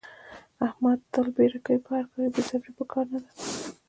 احمد تل بیړه کوي. په هر کار کې بې صبرې په کار نه ده.